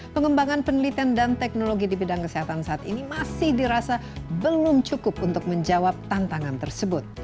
pengembangan penelitian dan teknologi di bidang kesehatan saat ini masih dirasa belum cukup untuk menjawab tantangan tersebut